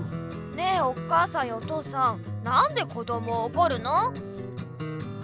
ねえお母さんやお父さんなんでこどもをおこるの？